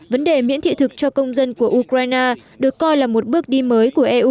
vấn đề miễn thị thực cho công dân của ukraine được coi là một bước đi mới